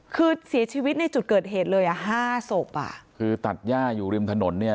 คือเสียชีวิตในจุดเกิดเหตุเลยอ่ะห้าศพอ่ะคือตัดย่าอยู่ริมถนนเนี่ย